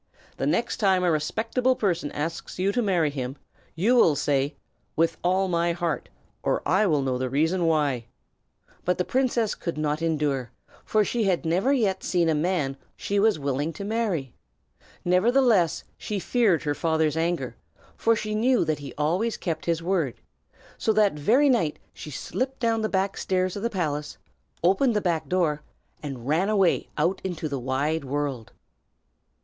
The next time a respectable person asks you to marry him, you will say, 'With all my heart!' or I will know the reason why." But this the princess could not endure, for she had never yet seen a man whom she was willing to marry. Nevertheless, she feared her father's anger, for she knew that he always kept his word; so that very night she slipped down the back stairs of the palace, opened the back door, and ran away out into the wide world.